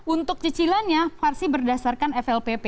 untuk cicilannya pasti berdasarkan flpp